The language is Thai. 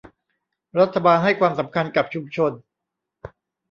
รัฐบาลให้ความสำคัญกับชุมชน